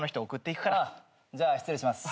じゃあ失礼します。